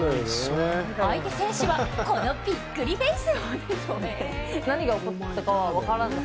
相手選手はこのびっくりフェース。